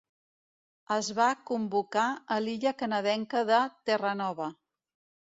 Es va convocar a l'illa canadenca de Terranova.